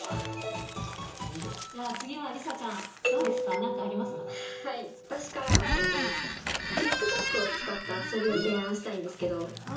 じゃあ次は梨紗ちゃん、私からはちょっと、ＴｉｋＴｏｋを使った遊びを提案したいんですけれども。